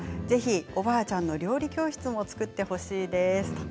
ぜひ、おばあちゃんの料理教室も作ってほしいです。